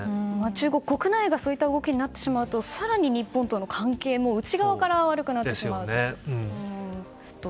中国国内がそういった動きになってしまうと更に日本との関係も内側から悪くなってしまうと。